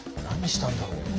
何したんだろう？